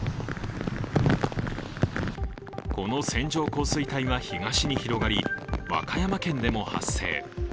この線状降水帯は東に広がり、和歌山県でも発生。